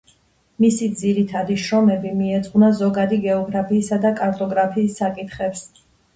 მისი ძირითადი შრომები მიეძღვნა ზოგადი გეოგრაფიისა და კარტოგრაფიის საკითხებს.